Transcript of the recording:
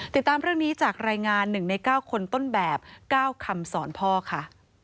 ติดตามเรื่องนี้จากรายงาน๑ใน๙คนต้นแบบ๙คำสอนพ่อค่ะ